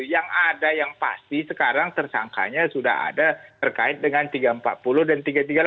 yang ada yang pasti sekarang tersangkanya sudah ada terkait dengan tiga ratus empat puluh dan tiga ratus tiga puluh